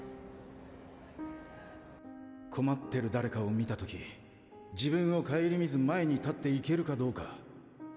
困ってる誰かを見た時自分を顧みず前に立っていけるかどうか。